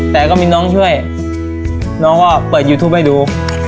แต่ก็มีน้องช่วยน้องก็เปิดยูทูปให้ดู